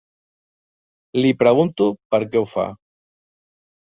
Li pregunto per què ho fa.